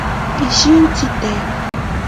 Pishintsite.